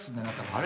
あれ？